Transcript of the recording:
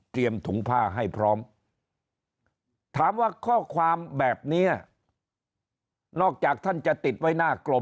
ถุงผ้าให้พร้อมถามว่าข้อความแบบนี้นอกจากท่านจะติดไว้หน้ากลม